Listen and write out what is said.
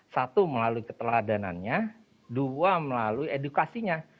satu melalui keteladanannya dua melalui edukasinya